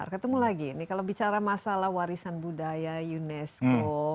ketemu lagi ini kalau bicara masalah warisan budaya unesco